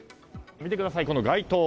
見てください、この街灯。